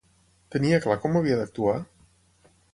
Tenia clar com havia d'actuar?